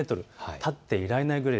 立っていられないくらい。